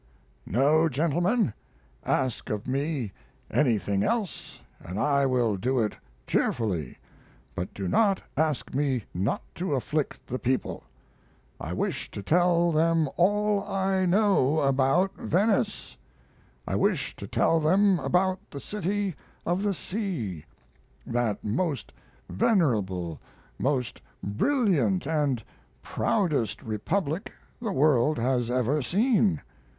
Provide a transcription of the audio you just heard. No, gentlemen, ask of me anything else and I will do it cheerfully; but do not ask me not to afflict the people. I wish to tell them all I know about VENICE. I wish to tell them about the City of the Sea that most venerable, most brilliant, and proudest Republic the world has ever seen.